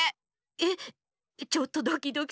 えっちょっとドキドキするう。